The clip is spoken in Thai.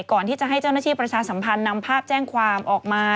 ก่อนที่จะให้เจ้าหน้าที่ประชาสัมพันธ์นำภาพแจ้งความออกมา